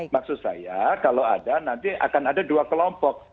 maksud saya kalau ada nanti akan ada dua kelompok